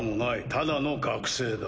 ただの学生だ。